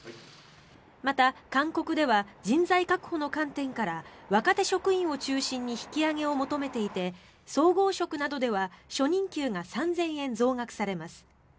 また、勧告では人材確保の観点から若手職員を中心に引き上げを求めていて総合職などでは初任給が３０００円増額されます。